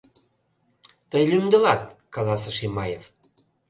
— Тый лӱмдылат, — каласыш Имаев.